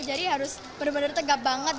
jadi harus bener bener tegap banget